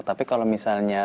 tapi kalau misalnya